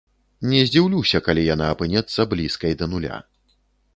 Не здзіўлюся, калі яна апынецца блізкай да нуля.